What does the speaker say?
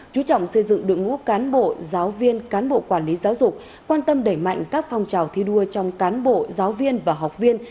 chú trọng xây dựng đội ngũ cán bộ giáo viên cán bộ quản lý giáo dục quan tâm đẩy mạnh các phong trào thi đua trong cán bộ giáo viên và học viên